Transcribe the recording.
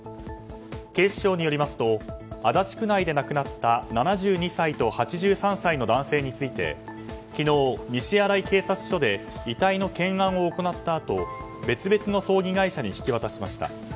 警視庁によりますと足立区内で亡くなった７２歳と８３歳の男性について昨日、西新井警察署で遺体の検案を行ったあと別々の葬儀会社に引き渡しました。